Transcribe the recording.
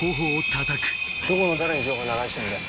どこの誰に情報流してんだよ。